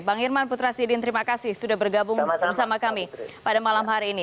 bang irman putra sidin terima kasih sudah bergabung bersama kami pada malam hari ini